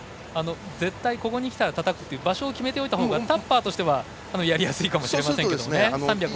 絶対ここに来たらたたくという場所を決めておいたほうがタッパーとしてはやりやすいかもしれませんね。